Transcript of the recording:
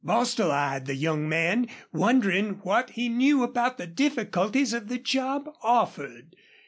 Bostil eyed the young man, wondering what he knew about the difficulties of the job offered.